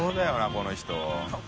この人。